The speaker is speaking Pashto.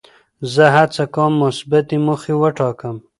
زه هڅه کوم مثبتې موخې وټاکم.